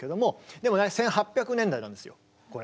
でもね１８００年代なんですよこれ。